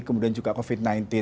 kemudian juga covid sembilan belas